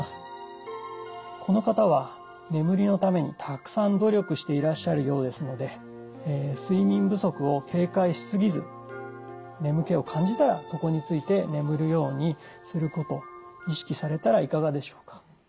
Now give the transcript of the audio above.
この方は眠りのためにたくさん努力していらっしゃるようですので睡眠不足を警戒しすぎず眠気を感じたら床に就いて眠るようにすることを意識されたらいかがでしょうか。